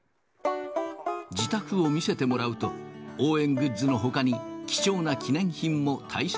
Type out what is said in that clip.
自宅を見せてもらうと、応援グッズのほかに、貴重な記念品も大切